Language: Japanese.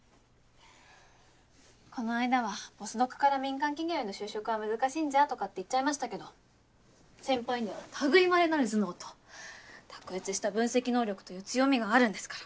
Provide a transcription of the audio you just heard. この間はポスドクから民間企業への就職は難しいんじゃ？とかって言っちゃいましたけど先輩には類いまれなる頭脳と卓越した分析能力という強みがあるんですから。